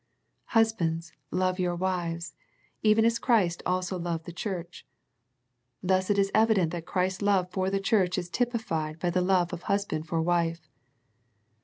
" Husbands, love your wives, even as Christ also loved the Church." Thus it is evident that Christ's love for the Church is typified by the love of hus band for wife.